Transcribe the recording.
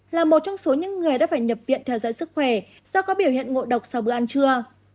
là một trong số những người đã phải nhập viện theo dõi sức khỏe do có biểu hiện ngộ độc sau bữa ăn trưa